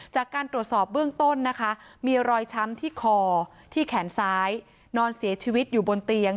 จากการตรวจสอบเบื้องต้นนะคะมีรอยช้ำที่คอที่แขนซ้ายนอนเสียชีวิตอยู่บนเตียง